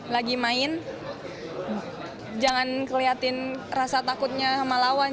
lagi main jangan ngeliatin rasa takutnya sama lawan